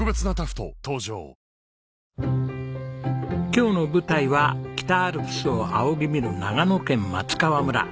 今日の舞台は北アルプスを仰ぎ見る長野県松川村。